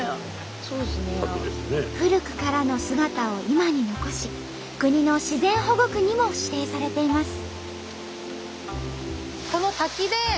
古くからの姿を今に残し国の自然保護区にも指定されています。